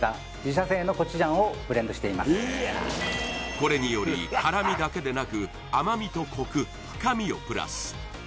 これにより辛味だけでなく甘みとコク深みをプラス